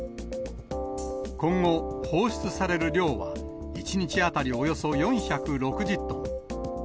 今後、放出される量は、１日当たりおよそ４６０トン。